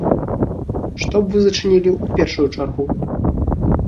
Што б вы зачынілі ў першую чаргу?